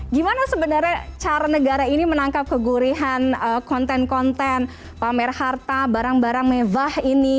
gimana sebenarnya cara negara ini menangkap kegurihan konten konten pamer harta barang barang mewah ini